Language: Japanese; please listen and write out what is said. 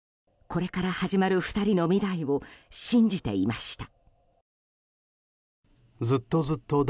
これから始まる２人の未来を信じていました。